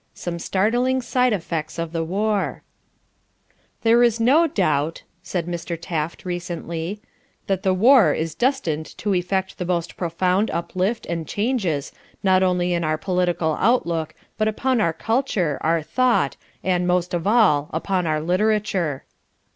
Some Startling Side Effects of the War "There is no doubt," said Mr. Taft recently, "that the war is destined to effect the most profound uplift and changes, not only in our political outlook, but upon our culture, our thought and, most of all, upon our literature."